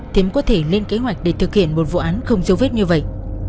thì cũng có thể lên kế hoạch để thực hiện một vụ án không dấu vết như vậy